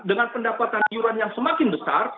dengan pendapatan iuran yang semakin besar